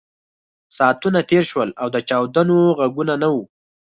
ساعتونه تېر شول او د چاودنو غږونه نه وو